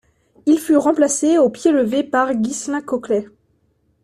Il fut remplacé au pied levé par Ghislain Cloquet.